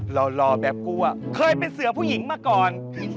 หล่อแบบกูเคยเป็นเสือผู้หญิงมาก่อน